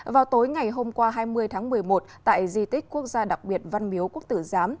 vào tối ngày hôm qua hai mươi tháng một mươi một tại di tích quốc gia đặc biệt văn miếu quốc tử giám